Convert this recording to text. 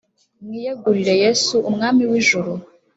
mwiyegurire yesu, umwami w'ijuru.